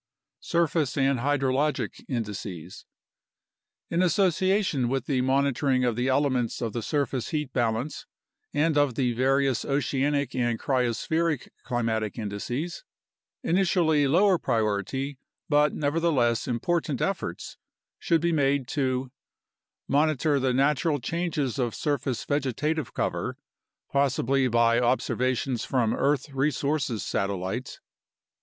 Surface and Hydrologic Indices In association with the monitoring of the elements of the surface heat balance, and of the various oceanic and cryospheric climatic indices, initially lower priority but neverthe less important efforts should be made to Monitor the natural changes of surface vegetative cover, possibly by observations from earth resources satellites.